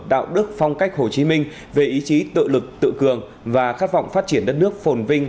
đạo đức phong cách hồ chí minh về ý chí tự lực tự cường và khát vọng phát triển đất nước phồn vinh